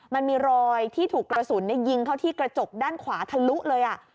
มันมีรอยที่ถูกกระสุนยิงเข้าที่กระจกด้านขวาทะลุเลย